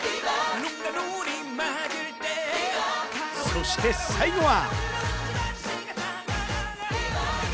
そして最後は。